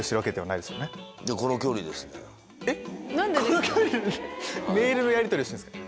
この距離でメールのやりとりしてるんすか？